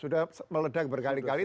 sudah meledak berkali kali